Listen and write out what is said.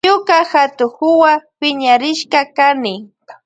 Ñuka hatukuwa piñarishka kani.